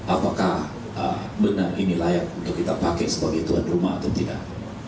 apakah benar ini layak untuk kita pakai sebagai tuan rumah atau tidak